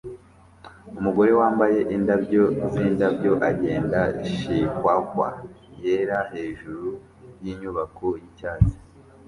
Umugore wambaye indabyo zindabyo agenda chihuahua yera hejuru yinyubako yicyatsi